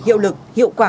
hiệu lực hiệu quả